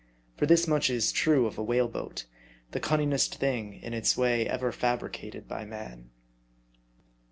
For this much is true of a whale boat, the cun ningest thing in its way ever fabricated by man.